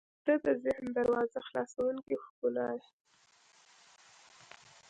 • ته د ذهن دروازه خلاصوونکې ښکلا یې.